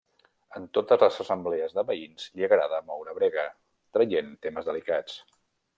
En totes les assemblees de veïns li agrada moure brega, traient temes delicats.